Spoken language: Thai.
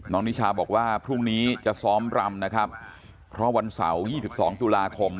นิชาบอกว่าพรุ่งนี้จะซ้อมรำนะครับเพราะวันเสาร์๒๒ตุลาคม